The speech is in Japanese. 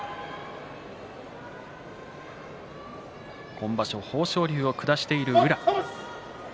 今場所、豊昇龍を下している宇良。